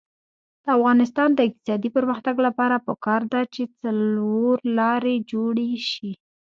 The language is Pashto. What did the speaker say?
د افغانستان د اقتصادي پرمختګ لپاره پکار ده چې څلورلارې جوړې شي.